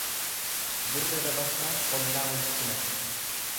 Gurra dabarsaan ollaa walitti naqa.